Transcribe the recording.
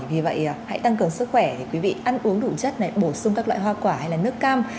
vì vậy hãy tăng cường sức khỏe quý vị ăn uống đủ chất bổ sung các loại hoa quả hay nước cam